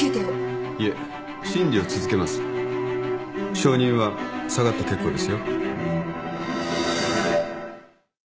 証人は下がって結構ですよ。